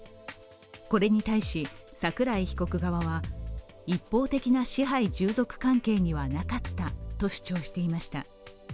これに対し桜井被告側は一方的な支配従属関係にはなかったと主張していました。